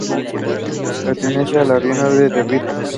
Pertenece al rione de Ripa.